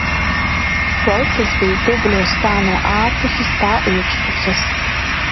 Botas bija dubļos kā no ārpuses, tā iekšpuses.